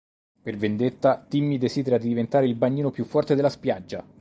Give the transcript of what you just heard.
Per vendetta Timmy desidera di diventare il bagnino più forte della spiaggia.